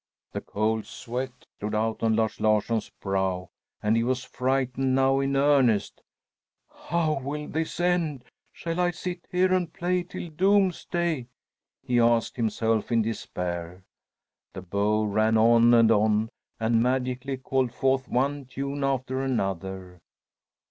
The cold sweat stood out on Lars Larsson's brow, and he was frightened now in earnest. "How will this end? Shall I sit here and play till doomsday?" he asked himself in despair. The bow ran on and on, and magically called forth one tune after another.